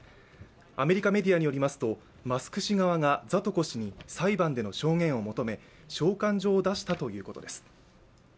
アメリカメディアによりますと、マスク氏側がザトコ氏側に裁判での証言を求め召喚状を出したということです。